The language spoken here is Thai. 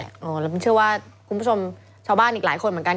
คุณผู้ชมชาวบ้านอีกหลายคนเหมือนกัน